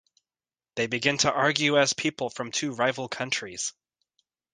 They begin to argue as people from two rival countries.